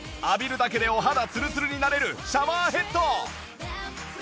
浴びるだけでお肌ツルツルになれるシャワーヘッド